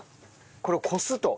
これこすと。